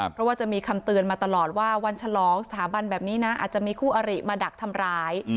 เพราะว่าจะมีคำเตือนมาตลอดว่าวันฉลองสถาบันแบบนี้นะอาจจะมีคู่อริมาดักทำร้าย